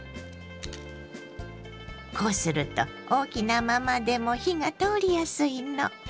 こうすると大きなままでも火が通りやすいの。